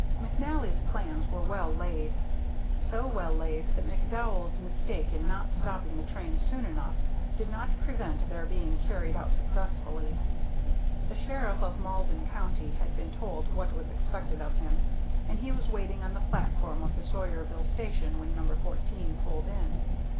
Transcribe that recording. McNally's plans were well laid; so well laid that McDowell's mistake in not stopping the train soon enough did not prevent their being carried out successfully. The sheriff of Malden County had been told what was expected of him, and he was waiting on the platform of the Sawyerville station when No. 14 pulled in.